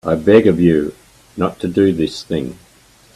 I beg of you not to do this thing.